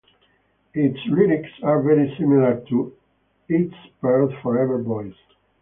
Its lyrics are very similar to "East Perth Forever Boys".